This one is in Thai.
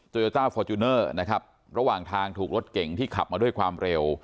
โยต้าฟอร์จูเนอร์นะครับระหว่างทางถูกรถเก่งที่ขับมาด้วยความเร็ว